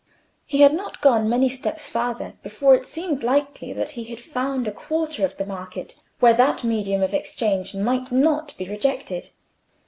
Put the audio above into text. He had not gone many steps farther before it seemed likely that he had found a quarter of the market where that medium of exchange might not be rejected.